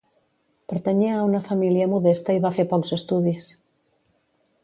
Pertanyia a una família modesta i va fer pocs estudis.